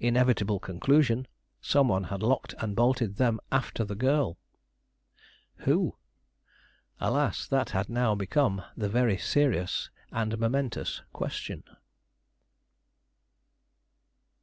Inevitable conclusion some one had locked and bolted them after the girl. Who? Alas, that had now become the very serious and momentous question.